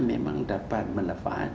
memang dapat manfaat